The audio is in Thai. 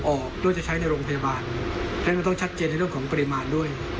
ออกด้วยจะใช้ในโรงพยาบาลเพราะฉะนั้นมันต้องชัดเจนในเรื่องของปริมาณด้วย